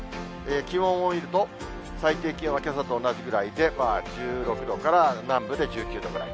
気温を見ると、最低気温はけさと同じくらいで、１６度から南部で１９度ぐらい。